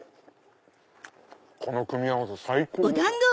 この組み合わせ最高ですよ。